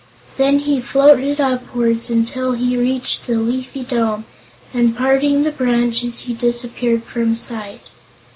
Then he floated upward until he reached the leafy dome, and parting the branches he disappeared from sight.